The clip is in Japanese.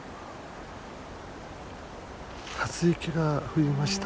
初雪が降りました。